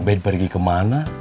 ubed pergi kemana